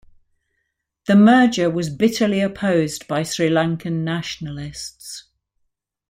The merger was bitterly opposed by Sri Lankan nationalists.